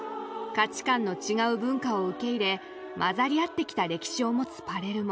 価値観の違う文化を受け入れ混ざり合ってきた歴史を持つパレルモ。